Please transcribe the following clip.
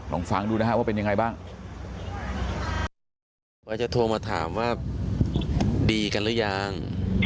ลองฟังดูนะครับว่าเป็นยังไงบ้าง